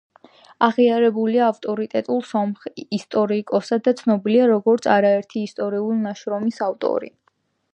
აღიარებულია ავტორიტეტულ სომეხ ისტორიკოსად და ცნობილია როგორც არერთი ისტორიული ნაშრომის ავტორი.